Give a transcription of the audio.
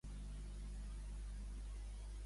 Opina que amb això ja basta?